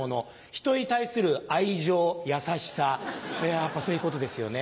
人に対する愛情優しさやっぱそういうことですよね。